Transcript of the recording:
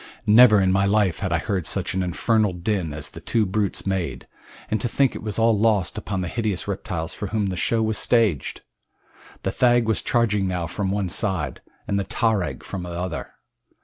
Never in my life had I heard such an infernal din as the two brutes made, and to think it was all lost upon the hideous reptiles for whom the show was staged! The thag was charging now from one side, and the tarag from the other.